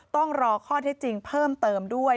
ต้องรอข้อเท็จจริงเพิ่มเติมด้วย